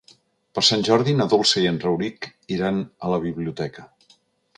Per Sant Jordi na Dolça i en Rauric iran a la biblioteca.